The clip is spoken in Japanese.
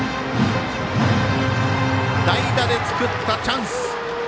代打で作ったチャンス。